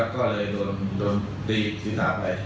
ก็เลยโดนตีสิทธิ์หาไป